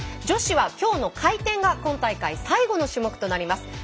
女子はきょうの回転が今大会、最後の種目となります。